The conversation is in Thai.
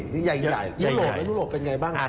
นี่ใหญ่ยุโรปยุโรปเป็นอย่างไรบ้าง